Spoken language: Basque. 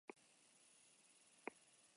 Koreako Gerran ere parte hartu zuen.